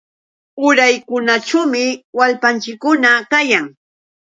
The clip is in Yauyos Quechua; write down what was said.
Uraykunaćhuumi wallpanchikkuna kayan.